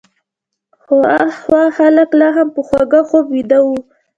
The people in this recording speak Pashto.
خو هخوا خلک لا هم په خوږ خوب ویده وو.